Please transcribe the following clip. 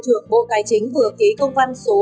trường bộ tài chính vừa ký công văn số bốn trăm ba mươi tám